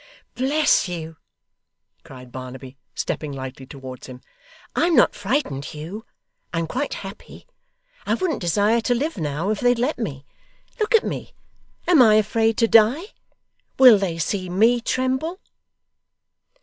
'Bless you,' cried Barnaby, stepping lightly towards him, 'I'm not frightened, Hugh. I'm quite happy. I wouldn't desire to live now, if they'd let me. Look at me! Am I afraid to die? Will they see ME tremble?